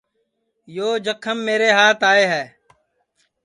یو جکھم میرے ہات آئے ہے